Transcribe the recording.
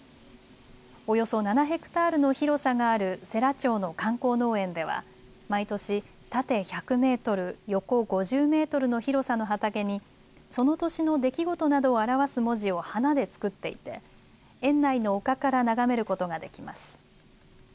およそ７ｈａの広さがある世羅町の観光農園では毎年、縦１００メートル、横５０メートルの広さの畑にその年の出来事などを表す文字を花で作っていて園内の丘から眺めることができます。